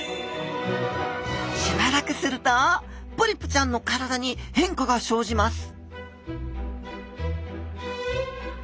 しばらくするとポリプちゃんの体に変化が生じます